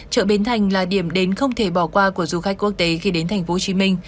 chợ bến thành là điểm đến không thể bỏ qua của du khách quốc tế khi đến tp hcm